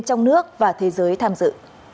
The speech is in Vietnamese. trong nước và thế giới tham dự